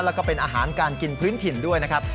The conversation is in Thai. แล้วก็เป็นอาหารการกินพื้นถิ่นด้วยนะครับ